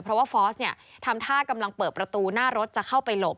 เพราะว่าฟอร์สเนี่ยทำท่ากำลังเปิดประตูหน้ารถจะเข้าไปหลบ